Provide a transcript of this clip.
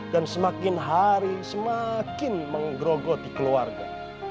dan semakin hari semakin menggerogoti keluarga